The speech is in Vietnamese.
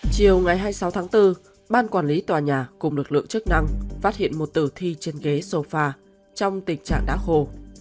chiều ngày hai mươi sáu tháng bốn ban quản lý tòa nhà cùng lực lượng chức năng phát hiện một tử thi trên ghế sofa trong tình trạng đã khô